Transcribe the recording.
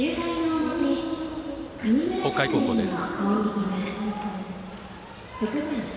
北海高校です。